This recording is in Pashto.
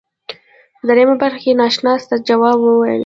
په دریمه برخه کې ناشناس ته جواب ویلی.